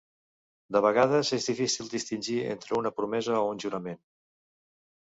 De vegades és difícil distingir entre una promesa o un jurament.